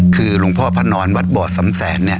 คือหลวงพ่อพระนอนวัดบ่อสำแสนเนี่ย